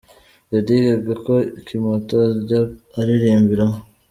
Lady Gaga ku kimoto ajya aririmbiraho.